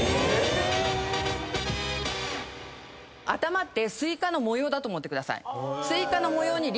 頭ってスイカの模様だと思ってください。